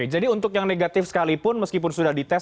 jadi untuk yang negatif sekalipun meskipun sudah dites